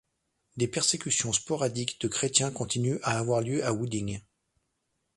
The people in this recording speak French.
Des persécutions sporadiques de chrétiens continuent à avoir lieu à Wuding.